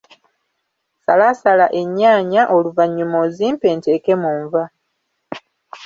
Salaasala ennyaanya oluvannyuma ozimpe nziteeke mu nva.